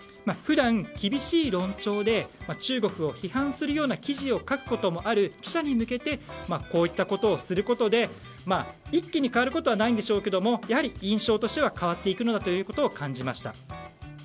普段、厳しい論調で中国を批判するような記事を書くこともある記者に向けてこういったことをすることで一気に変わることはないんでしょうけれどもやはり印象としては変わっていくのだと感じました。